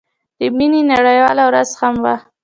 د مينې نړيواله ورځ هم وه.